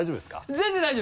全然大丈夫。